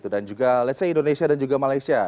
dan juga let's say indonesia dan juga malaysia